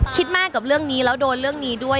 มากกับเรื่องนี้แล้วโดนเรื่องนี้ด้วย